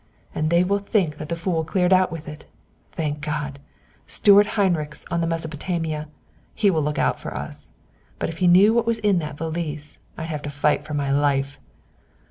"And they will think that the fool cleared out with it. Thank God! Steward Heinrichs is on the 'Mesopotamia.' He will look out for us; but if he knew what was in that valise I'd have to fight for my life."